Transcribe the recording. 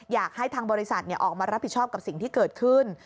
อยากให้ทางบริษัทออกมารับผิดชอบกับสิ่งที่เกิดขึ้น